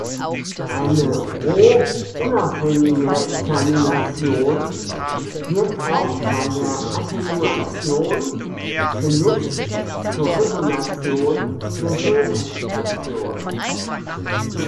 Eine rho-unabhängige Termination wird auch bei der Attenuation genutzt zur Regulation der Genexpression.